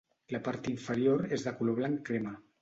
La part inferior és de color blanc crema.